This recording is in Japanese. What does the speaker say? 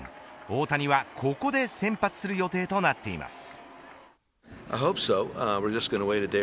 大谷はここで先発する予定となっています。